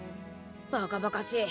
バカバカしい。